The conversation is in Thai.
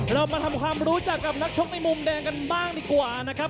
เรามาทำความรู้จักกับนักชกในมุมแดงกันบ้างดีกว่านะครับ